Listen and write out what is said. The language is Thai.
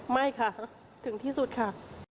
ไม่ค่ะถึงที่สุดค่ะ